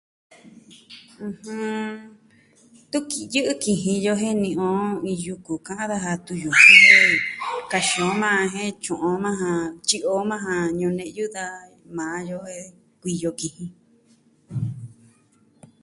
Tun yɨ'ɨ kijin yo jen ni'i on iin yuku ka'an daja tuyujii jen kaxin on majan jen tyu'un on majan, tyi'i o majan ñune'yu da maa yo jen kuiyo kijin.